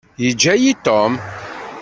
Yeǧǧa-yi Tom.